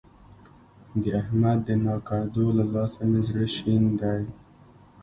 د احمد د ناکړدو له لاسه مې زړه شين دی.